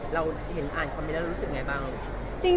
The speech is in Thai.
แล้วเห็นตามคอมเมล่าเรารู้สึกยังไงบ้าง